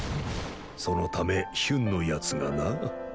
そのためヒュンのやつがな。